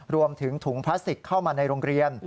รวมถึงถุงพลาสติกเข้ามาในโรงเรียน